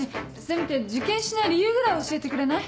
せめて受験しない理由ぐらい教えてくれない？